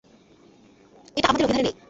এটা আমাদের অভিধানে নেই।